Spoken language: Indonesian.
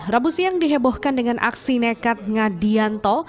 rabu siang dihebohkan dengan aksi nekat ngadianto